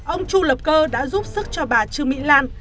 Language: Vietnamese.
ông chu lập cơ đã giúp sức cho bà trương mỹ lan